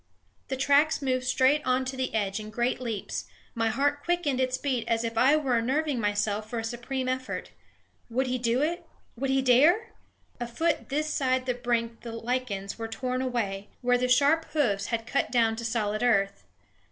The tracks moved straight on to the edge in great leaps; my heart quickened its beat as if I were nerving myself for a supreme effort. Would he do it? would he dare? A foot this side the brink the lichens were torn away where the sharp hoofs had cut down to solid earth.